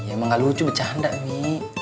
emang gak lucu bercanda nih